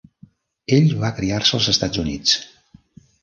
Ell va criar-se als Estats Units.